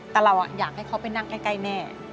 แต่เราอยากให้เขาไปนั่งใกล้แม่